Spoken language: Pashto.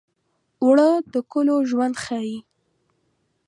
اوړه د کلو ژوند ښيي